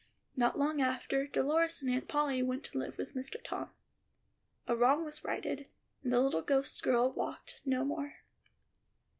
Not long after, Dolores and Aunt Polly went to live with Mr. Tom. A wrong was righted, and the little ghost girl walked no more.